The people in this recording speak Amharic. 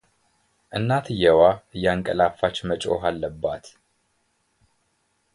እናትየዋ እያንቀላፋች መጮህ አለባት፡፡